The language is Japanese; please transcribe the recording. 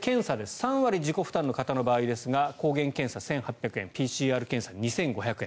３割自己負担の方の場合ですが抗原検査、１８００円ＰＣＲ検査、２５００円。